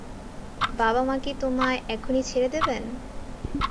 বাবা মা কি তোমায় এখুনি ছেড়ে দেবেন?